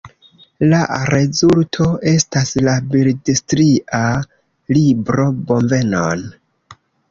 La rezulto estas la bildstria libro Bonvenon!